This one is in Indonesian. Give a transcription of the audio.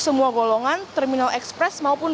semua golongan terminal ekspres maupun